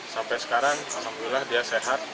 sampai sekarang alhamdulillah dia sehat